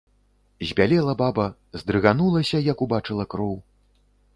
Збялела баба, здрыганулася, як убачыла кроў.